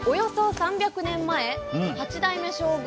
３００年前八代目将軍